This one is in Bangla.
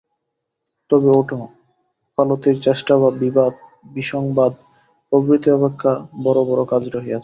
তবে ওঠ, ওকালতির চেষ্টা বা বিবাদ-বিসংবাদ প্রভৃতি অপেক্ষা বড় বড় কাজ রহিয়াছে।